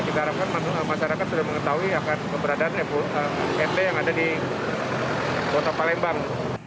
kita harapkan masyarakat sudah mengetahui akan keberadaan mp yang ada di kota palembang